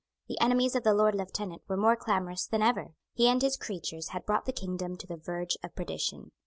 The enemies of the Lord Lieutenant were more clamorous than ever. He and his creatures had brought the kingdom to the verge of perdition.